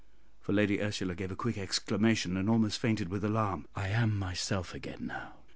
for Lady Ursula gave a quick exclamation, and almost fainted with alarm; "I am myself again now.